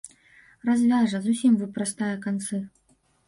Развяжа, зусім выпрастае канцы.